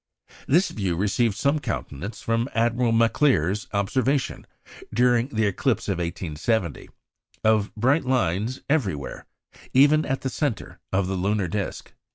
This view received some countenance from Admiral Maclear's observation, during the eclipse of 1870, of bright lines "everywhere" even at the centre of the lunar disc.